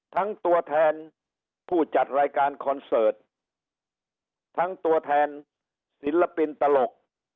ทั้งตัวแทนผู้จัดรายการคอนเสิร์ตทั้งตัวแทนศิลปินตลก